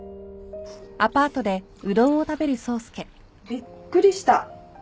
びっくりした。